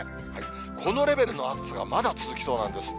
このレベルの暑さがまだ続きそうなんです。